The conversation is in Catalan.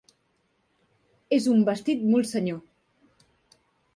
És un vestit molt senyor.